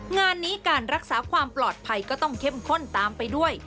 งานนี้การรักษาความปลอดภัยก็ต้องเข้มข้นตามไปด้วย